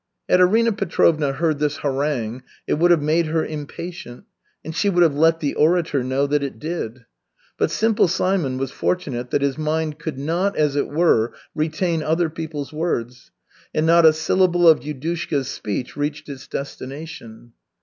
Had Arina Petrovna heard this harangue, it would have made her impatient, and she would have let the orator know that it did. But Simple Simon was fortunate that his mind could not, as it were, retain other people's words, and not a syllable of Yudushka's speech reached its destination.